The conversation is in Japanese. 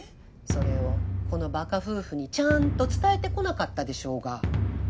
それをこのバカ夫婦にちゃんと伝えてこなかったでしょうが。